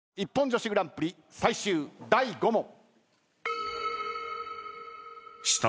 ＩＰＰＯＮ女子グランプリ最終第５問。